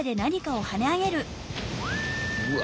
うわ！